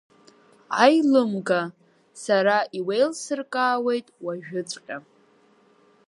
Аилымга, сара иуеилсыркаауеит уажәыҵәҟьа.